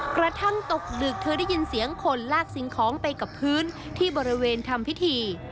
กระทั่งตกดึกเธอได้ยินเสียงคนลากสิ่งของไปกับพื้นที่บริเวณทำพิธี